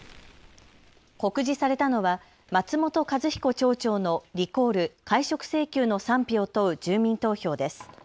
告示されたのは松本一彦町長のリコール・解職請求の賛否を問う住民投票です。